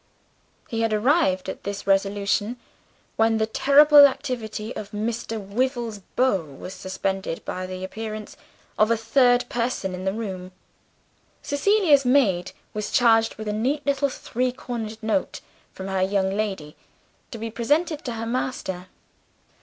He had arrived at this resolution, when the terrible activity of Mr. Wyvil's bow was suspended by the appearance of a third person in the room. Cecilia's maid was charged with a neat little three cornered note from her young lady, to be presented to her master.